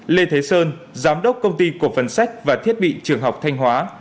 lê thế sơn giám đốc công ty cổ phần sách và thiết bị trường học thanh hóa